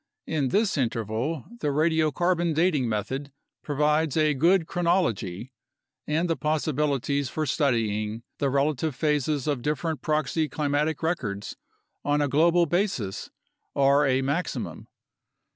In this interval the radiocarbon dating method provides a good chronology, and the possibilities for studying the relative phases of different proxy climatic records on a global basis are a maximum.